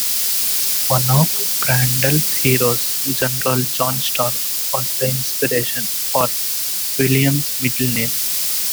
One of Crandall's heroes, General John Stark, was the inspiration for William's middle name.